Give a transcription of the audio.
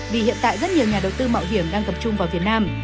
vì hiện tại rất nhiều nhà đầu tư mạo hiểm đang gặp chung vào việt nam